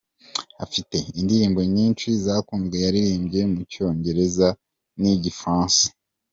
Afite indirimbo nyinshi zakunzwe yaririmbye mu Cyongereza n’Igifaransa.